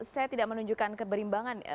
saya tidak menunjukkan keberimbangan